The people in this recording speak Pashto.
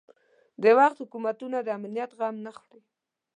د وخت حکومتونه د امنیت غم نه خوري.